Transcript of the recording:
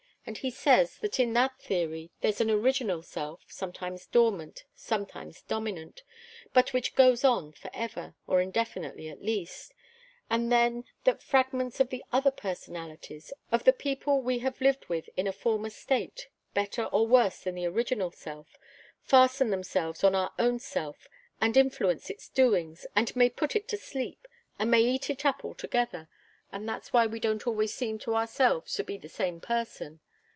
And he says that in that theory there's an original self, sometimes dormant, sometimes dominant, but which goes on forever or indefinitely, at least; and then that fragments of the other personalities, of the people we have lived with in a former state, better or worse than the original self, fasten themselves on our own self, and influence its doings, and may put it to sleep, and may eat it up altogether and that's why we don't always seem to ourselves to be the same person.